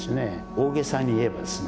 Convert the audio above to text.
大げさに言えばですね